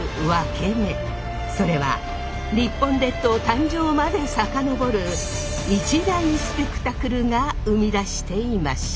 それは日本列島誕生まで遡る一大スペクタクルが生み出していました。